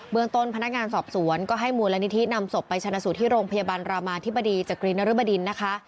เมืองต้นพนักงานสอบสวนก็ให้มูลนิธินำศพไปชนะสูตรที่โรงพยาบาลรามาธิบดีจักรีนรบดินนะคะ